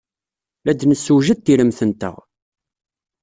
La d-nessewjad tiremt-nteɣ.